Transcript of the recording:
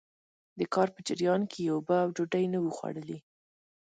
د کار په جريان کې يې اوبه او ډوډۍ نه وو خوړلي.